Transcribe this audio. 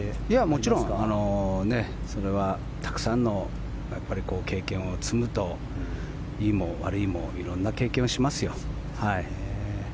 もちろん、それはたくさんの経験を積むといいも悪いも色んな経験をしますよ。